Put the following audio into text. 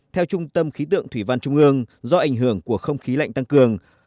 theo trung tâm khí tượng thủy văn trung ương do ảnh hưởng của không khí lạnh tăng cường